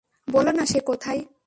বলো না সে কোথায়।